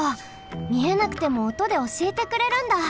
みえなくてもおとでおしえてくれるんだ。